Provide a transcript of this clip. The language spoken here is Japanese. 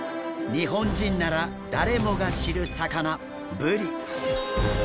日本人なら誰もが知る魚ブリ。